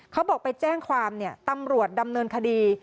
เขาบอกไปแจ้งความเนี่ยตำรวจดำเนินคดี